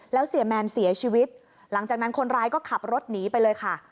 แล้วเสียแมนเสียชีวิตหลังจากนั้นคนร้ายก็ขับรถหนีไปเลยค่ะ